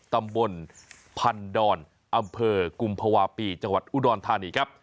ตำบลพันดอนอำเภอกุมภาวะปีจังหวัดอุดรธานีครับ